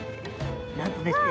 なんとですね